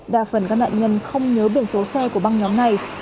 đa phần các nạn nhân không nhớ biển số xe của băng nhóm này